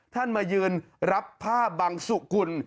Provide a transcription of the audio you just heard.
ท่านมายืนรับผ้าบังสุกุล